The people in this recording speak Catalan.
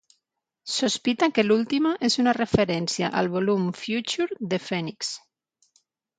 Sospita que l'última és una referència al volum "Future" de "Phoenix".